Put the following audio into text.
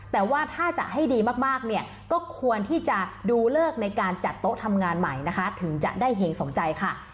แต่ว่าถ้าจะให้ดีมากเนี่ยก็ควรที่จะดูเลิกในการจัดโต๊ะทำงานใหม่นะคะถึงจะได้เห็งสมใจค่ะ